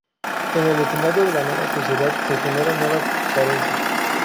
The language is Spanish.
En el escenario de la nueva sociedad se generan nuevas carencias.